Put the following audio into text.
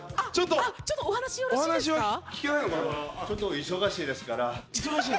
「ちょっと忙しいですから」忙しい？